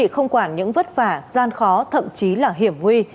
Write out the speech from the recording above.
không quản những vất vả gian khó thậm chí là hiểm nguy